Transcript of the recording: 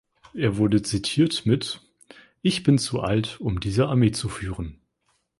Er wurde zitiert mit „Ich bin zu alt, um diese Armee zu führen“.